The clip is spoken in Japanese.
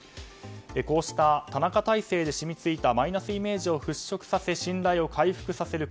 こうした田中体制で染みついたマイナスイメージを払拭させ信頼を回復させる